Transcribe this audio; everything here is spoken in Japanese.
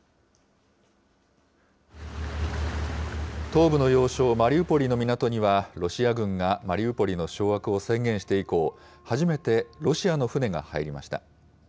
東部の要衝マリウポリの港には、ロシア軍がマリウポリの掌握を宣言して以降、初めてロシアの船が入りました。